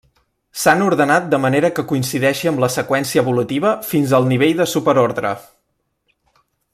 S'han ordenat de manera que coincideixi amb la seqüència evolutiva fins al nivell de superordre.